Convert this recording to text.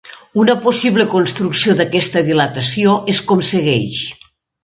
Una possible construcció d'aquesta dilatació és com segueix.